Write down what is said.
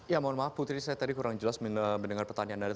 ya mohon maaf putri saya tadi kurang jelas mendengar pertanyaan anda